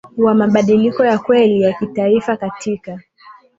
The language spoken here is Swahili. wa mabadiliko ya kweli ya kitaifa Katika